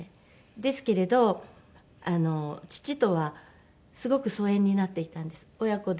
ですけれど父とはすごく疎遠になっていたんです親子であるのに。